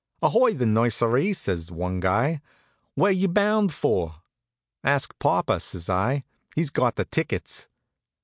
"Ahoy the nursery!" says one guy. "Where you bound for?" "Ask popper," says I. "He's got the tickets."